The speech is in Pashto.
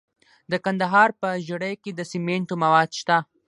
د کندهار په ژیړۍ کې د سمنټو مواد شته.